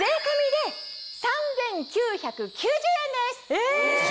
え！